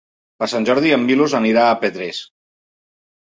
Per Sant Jordi en Milos anirà a Petrés.